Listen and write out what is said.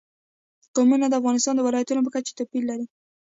قومونه د افغانستان د ولایاتو په کچه توپیر لري.